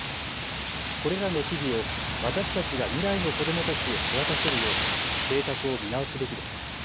これらの樹々を私たちが未来の子どもたちへ手渡せるよう計画を見直すべきです。